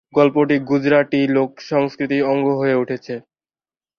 গল্পটি গুজরাটি লোক সংস্কৃতির অঙ্গ হয়ে উঠেছে।